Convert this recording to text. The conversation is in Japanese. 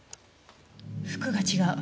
服が違う。